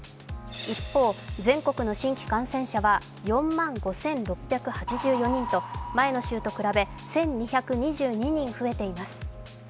一方、全国の新規感染者は４万５６８４人と前の週と比べ１２２２人、増えています。